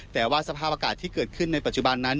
แต่ว่าสภาพอากาศที่เกิดขึ้นในปัจจุบันนั้น